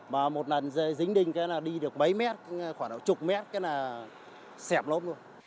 mà một lần dính đinh cái là đi được mấy mét khoảng chục mét cái là xẹp lốp luôn